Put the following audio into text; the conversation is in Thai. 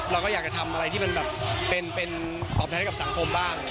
เราก็อยากจะทำอะไรที่มันแบบเป็นตอบแทนให้กับสังคมบ้าง